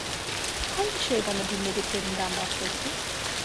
Hangi şey bana bilmediklerimden bahsetti?